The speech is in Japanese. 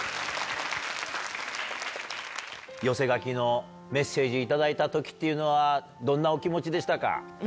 寄せ書きのメッセージ頂いた時っていうのはどんなお気持ちでしたか？